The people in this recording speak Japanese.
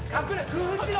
工夫しろ。